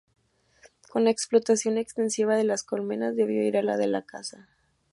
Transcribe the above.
Con la explotación extensiva de las colmenas debió ir la de la caza.